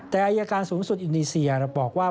แต่อายการสูงสุดอินโดนีเซียบอกว่า